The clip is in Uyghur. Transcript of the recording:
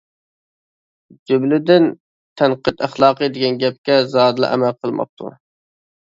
جۈملىدىن تەنقىد ئەخلاقى دېگەن گەپكە زادىلا ئەمەل قىلماپتۇ.